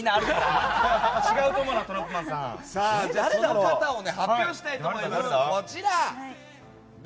その方を発表したいと思います。